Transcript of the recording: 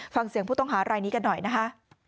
ฟังเสียงผู้ต้องหารายนี้กันหน่อยนะคะ